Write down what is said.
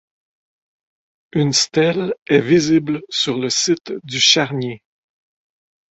Une stèle est visible sur le site du charnier.